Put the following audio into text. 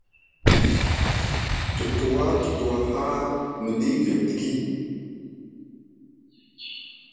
Te tuwa te tuwa haa mɗi gay tiki.